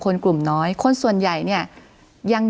คุณปริณาค่ะหลังจากนี้จะเกิดอะไรขึ้นอีกได้บ้าง